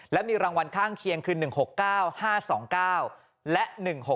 และมีรางวัลข้างเคียงคือ๑๖๙๕๒๙และ๑๖๖